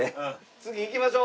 次行きましょう！